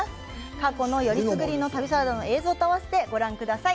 過去のよりすぐりの旅サラダの映像と合わせてご覧ください。